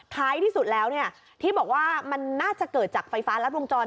ท้ายที่สุดแล้วที่บอกว่ามันน่าจะเกิดจากไฟฟ้ารัดวงจร